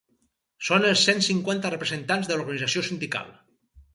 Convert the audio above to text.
Són els cent cinquanta representants de l'Organització Sindical.